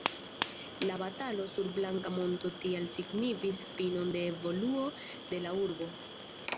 La batalo sur Blanka Monto tial signifis finon de evoluo de la urbo.